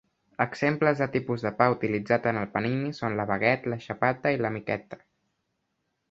Exemples de tipus de pa utilitzats en el panini són la baguet, la xapata i la michetta.